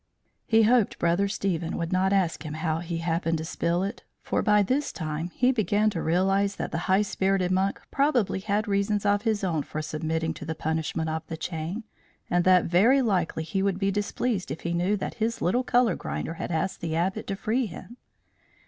He hoped Brother Stephen would not ask him how he happened to spill it; for by this time he began to realize that the high spirited monk probably had reasons of his own for submitting to the punishment of the chain, and that very likely he would be displeased if he knew that his little colour grinder had asked the Abbot to free him.